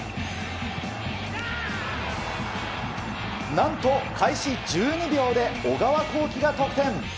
何と開始１２秒で小川航基が得点！